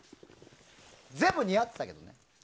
全部似合ってたけどね。